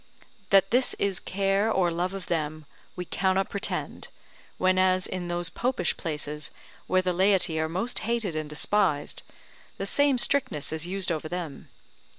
That this is care or love of them, we cannot pretend, whenas, in those popish places where the laity are most hated and despised, the same strictness is used over them.